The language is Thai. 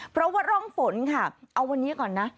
เพราะว่าร่องฝนค่ะเอาวันนี้ก่อนนะ